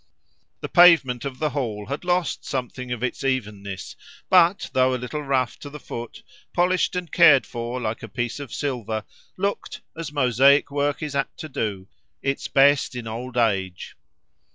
The pavement of the hall had lost something of its evenness; but, though a little rough to the foot, polished and cared for like a piece of silver, looked, as mosaic work is apt to do, its best in old age.